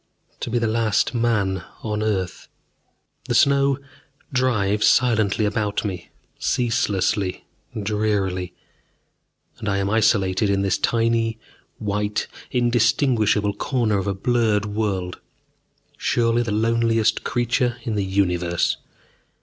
To be the last man on earth.... The snow drives silently about me, ceaselessly, drearily. And I am isolated in this tiny white, indistinguishable corner of a blurred world, surely the loneliest creature in the universe.